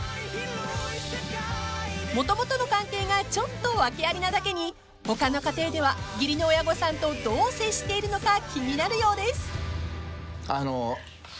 ［もともとの関係がちょっと訳ありなだけに他の家庭では義理の親御さんとどう接しているのか気になるようです］